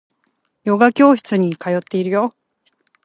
ヨガ教室に通っているよ